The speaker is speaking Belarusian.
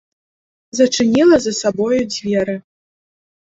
Зачыніла за сабою дзверы.